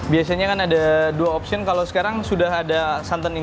biasanya kan ada dua option kalau sekarang sudah ada santan ini